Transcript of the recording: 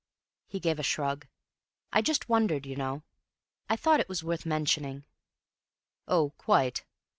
He gave a shrug. "I just wondered, you know. I thought it was worth mentioning." "Oh, quite.